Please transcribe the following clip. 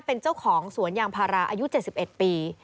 เป็นเจ้าของสวนยางพาราอายุ๗๑ปี